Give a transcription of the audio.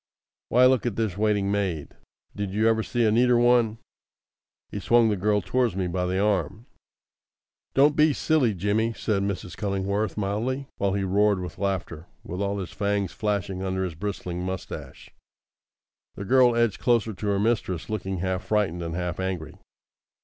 Why, look at this waiting maid! Did you ever see a neater one?" He swung the girl, towards me by the arm. "Don't be silly, Jimmy," said Mrs. Cullingworth mildly, while he roared with laughter, with all his fangs flashing under his bristling moustache. The girl edged closer to her mistress, looking half frightened and half angry.